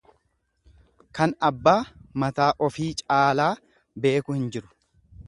Kan abbaa mataa ofii caalaa beeku hin jiru.